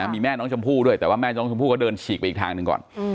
มีแม่น้องชมพู่ด้วยแต่ว่าแม่น้องชมพู่ก็เดินฉีกไปอีกทางหนึ่งก่อน